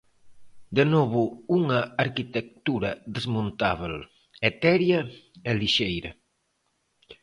De novo unha arquitectura desmontábel, etérea e lixeira.